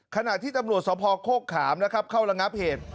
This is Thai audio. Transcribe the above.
ขณะที่ตำรวจสภโคกขามนะครับเข้าระงับเหตุ